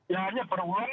yang hanya berulang